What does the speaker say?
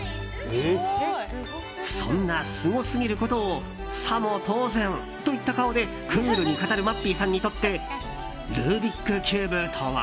そんな、すごすぎることをさも当然といった顔でクールに語るまっぴーさんにとってルービックキューブとは？